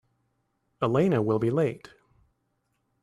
Elena will be late.